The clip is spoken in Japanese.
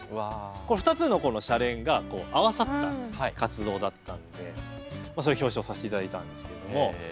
これ２つのこの「シャレン！」がこう合わさった活動だったんでそれを表彰させていただいたんですけれども。